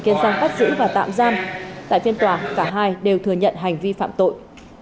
kiên giang bắt giữ và tạm giam tại phiên tòa cả hai đều thừa nhận hành vi phạm tội